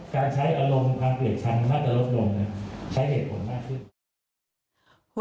การใช้อารมณ์ความเปลี่ยนชั้นนักอารมณ์โดมใช้เหตุผลมากขึ้น